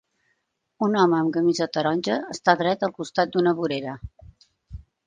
Un home amb camisa taronja està dret al costat d'una vorera.